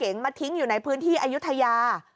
เลยโดนวัดถึงอยู่ในพื้นที่อายุทะยา